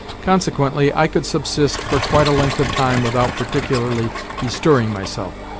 Consequently, I could subsist for quite a length of time without particularly bestirring myself.